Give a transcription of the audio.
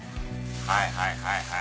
はいはいはいはい。